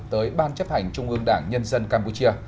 tới ban chấp hành trung ương đảng nhân dân campuchia